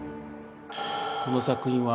この作品は。